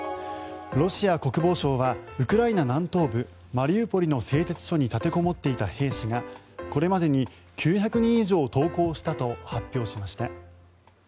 ロシア国防省はウクライナ南東部マリウポリの製鉄所に立てこもっていた兵士がこれまでに９００人以上投降したと発表しました。